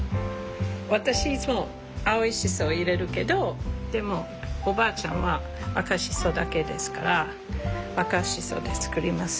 私いつも青いシソ入れるけどでもおばあちゃんは赤シソだけですから赤シソで作ります。